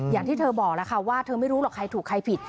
อย่างที่เธอบอกแล้วค่ะว่าเธอไม่รู้หรอกใครถูกใครผิด